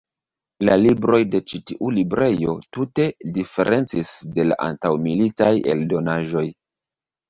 La libroj de ĉi tiu librejo tute diferencis de la antaŭmilitaj eldonaĵoj.